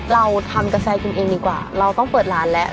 เราทำกาแฟกินเองดีกว่าเราต้องเปิดร้านแล้ว